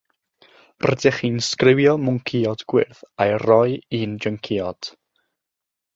Rydych chi'n sgriwio mwncïod gwyrdd a'i roi i'n jyncïod.